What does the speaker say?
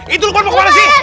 itu luqman mau kemana sih